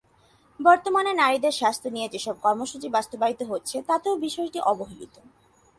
বর্তমানে নারীদের স্বাস্থ্য নিয়ে যেসব কর্মসূচি বাস্তবায়িত হচ্ছে, তাতেও বিষয়টি অবহেলিত।